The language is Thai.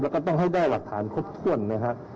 แล้วก็ต้องให้ได้วัตถานครบถ้วนนะครับ